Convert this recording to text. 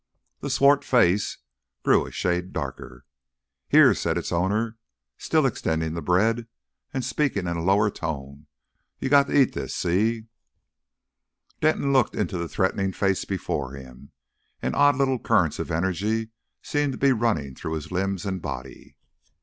The swart face grew a shade darker. "Here," said its owner, still extending the bread, and speaking in a lower tone; "you got to eat this. See?" Denton looked into the threatening face before him, and odd little currents of energy seemed to be running through his limbs and body.